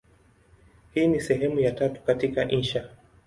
Hii ni sehemu ya tatu katika insha.